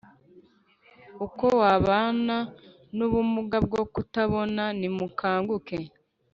Uko wabana n ubumuga bwo kutabona Nimukanguke